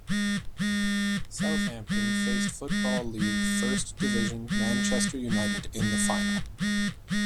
Southampton faced Football League First Division Manchester United in the final.